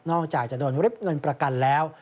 อกจากจะโดนริบเงินประกันแล้ว